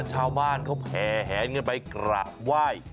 ชาวบ้านเขาแผงไปกระไหว้